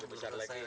belum selesai ya